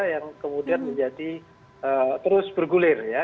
yang kemudian menjadi terus bergulir ya